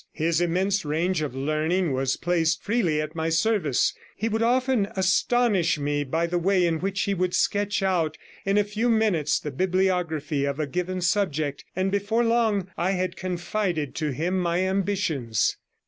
His immense range of learning was placed freely at my service; he would often astonish me by the way in which he would sketch out in a few minutes the bibliography of a given subject, and before long I had confided to him my ambitions.